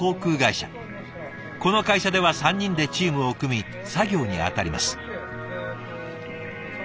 この会社では３人でチームを組み作業に当たります。